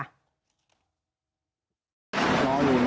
นอนอยู่นี้ฮะแกล้งนอนอยู่นี่